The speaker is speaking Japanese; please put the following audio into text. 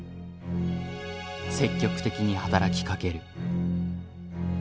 積極的に働きかける。